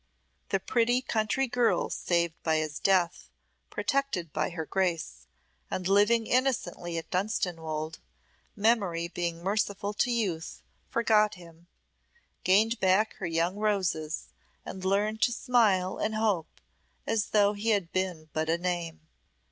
The pretty country girl saved by his death, protected by her Grace, and living innocently at Dunstanwolde, memory being merciful to youth, forgot him, gained back her young roses, and learned to smile and hope as though he had been but a name.